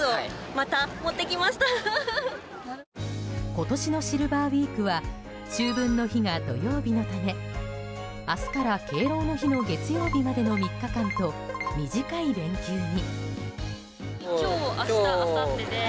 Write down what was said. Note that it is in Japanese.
今年のシルバーウィークは秋分の日が土曜日のため明日から敬老の日の月曜日までの３日間と、短い連休に。